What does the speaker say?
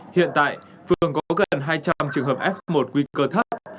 hiện tại phường có gần hai trăm linh trường hợp f một nguy cơ thấp